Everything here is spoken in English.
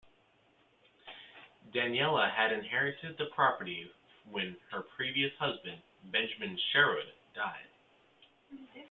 Daniella had inherited the property when her previous husband, Benjamin Sherrod died.